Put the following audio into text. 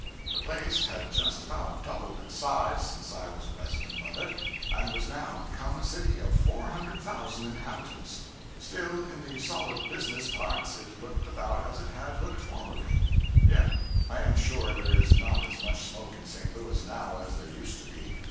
The place had just about doubled its size, since I was a resident of it, and was now become a city of 400,000 inhabitants; still, in the solid business parts, it looked about as it had looked formerly. Yet I am sure there is not as much smoke in St. Louis now as there used to be.